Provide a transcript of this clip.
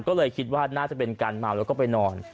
ก็เลยคิดว่าน่าจะเป็นการเมาแล้วก็ไปนอน